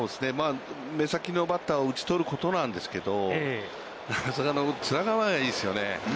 目先のバッターを打ち取ることなんですけれども、それがつながらないですよね。